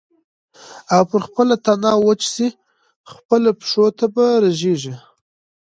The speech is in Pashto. او پر خپله تنه وچ سې خپلو پښو ته به رژېږې